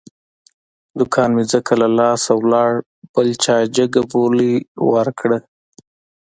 دوکان مې ځکه له لاسه لاړ، بل چا جگه بولۍ ور کړه.